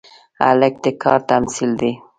هلک د کار تمثیل دی.